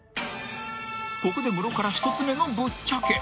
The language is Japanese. ［ここでムロから１つ目のぶっちゃけ！］